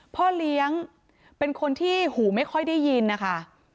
พ่อเลี้ยงเป็นคนที่หูไม่ค่อยได้ยินนะคะ